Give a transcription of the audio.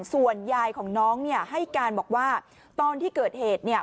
ส่วนยายของน้องเนี่ยให้การบอกว่าตอนที่เกิดเหตุเนี่ย